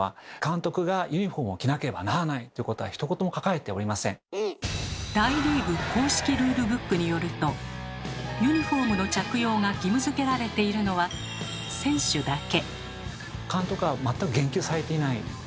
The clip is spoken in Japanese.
それで申しますと大リーグ公式ルールブックによるとユニフォームの着用が義務づけられているのは選手だけ。